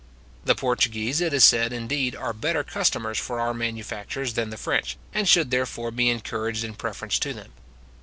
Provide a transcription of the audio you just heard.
The Portuguese, it is said, indeed, are better customers for our manufactures than the French, and should therefore be encouraged in preference to them.